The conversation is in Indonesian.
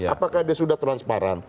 apakah dia sudah transparan